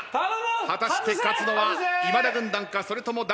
果たして勝つのは今田軍団かそれとも魂チームか。